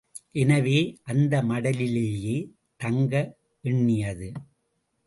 எனவே, அந்த மடலிலேயே தங்க எண்ணியது.